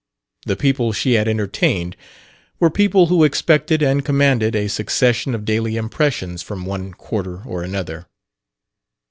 The people she had entertained were people who expected and commanded a succession of daily impressions from one quarter or another.